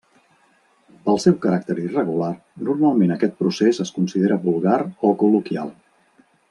Pel seu caràcter irregular, normalment aquest procés es considera vulgar o col·loquial.